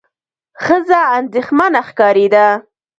ښځه اندېښمنه ښکارېده.